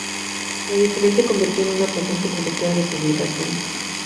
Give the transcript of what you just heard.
La editorial se convirtió en una potente productora de publicaciones.